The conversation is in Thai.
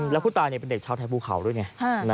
แล้วผู้ตายเป็นเด็กชาวไทยภูเขาด้วยไง